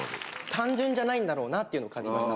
単純じゃないんだろうなっていうふうに感じました。